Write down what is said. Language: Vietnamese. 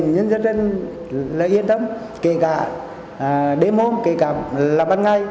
nhân dân là yên tâm kể cả đêm hôm kể cả là ban ngày